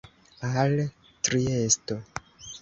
Al Triesto.